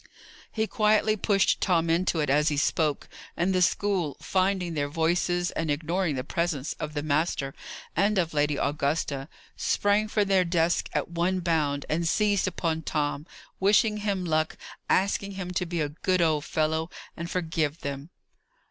He quietly pushed Tom into it as he spoke, and the school, finding their voices, and ignoring the presence of the master and of Lady Augusta, sprang from their desks at one bound and seized upon Tom, wishing him luck, asking him to be a good old fellow and forgive them.